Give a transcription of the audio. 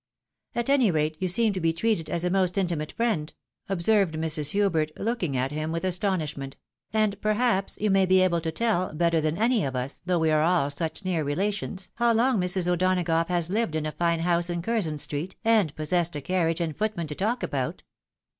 " At any rate, you seem to be treated as a most intimate friend," observed Mrs. Hubert, looking at him with astonish ment, " and perhaps you may be able to tell, better than any of us, though we are all such near relations, how long Mrs. O'Donagough has hved in a fine house in Cxirzon street, and possessed a carriage and footman to talk about."